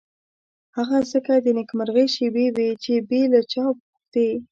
هغه ځکه د نېکمرغۍ شېبې وې چې بې له چا پوښتنې.